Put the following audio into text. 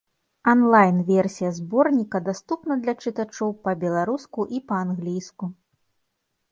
Анлайн-версія зборніка даступна для чытачоў па-беларуску і па-англійску.